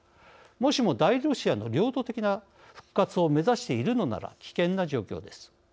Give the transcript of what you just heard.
もしも大ロシアの領土的な復活を目指しているのなら危険な状況です。